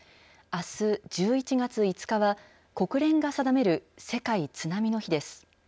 あす１１月５日は、国連が定める世界津波の日です。